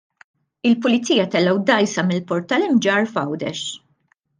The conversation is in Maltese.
Il-pulizija tellgħu dgħajsa mill-Port tal-Imġarr f'Għawdex.